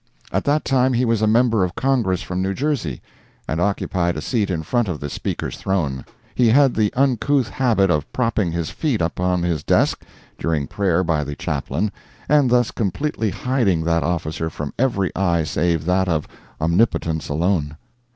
At that time he was a member of Congress from New Jersey, and occupied a seat in front of the Speaker's throne. He had the uncouth habit of propping his feet upon his desk during prayer by the chaplain, and thus completely hiding that officer from every eye save that of Omnipotence alone.